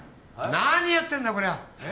何やってんだこりゃええ？